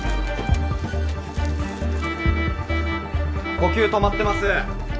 呼吸止まってます。